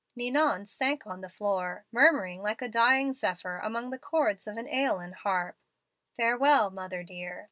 "Ninon sank on the floor, murmuring like a dying zephyr among the chords of an AEolian harp, 'Farewell, mother dear.